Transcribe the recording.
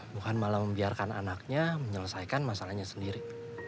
bukan malah membiarkan anaknya menyelesaikan masalahnya sendiri